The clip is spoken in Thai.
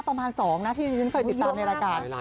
ประมาณ๒นะที่ที่ฉันเคยติดตามในรายการ